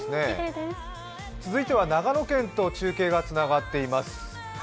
きれいですね、続いては長野県と中継がつながってます。